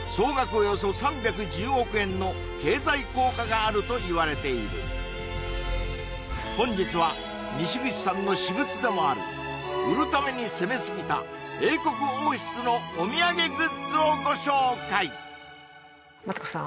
およそ３１０億円の経済効果があるといわれている本日はにしぐちさんの私物でもある売るために攻めすぎた英国王室のお土産グッズをご紹介マツコさん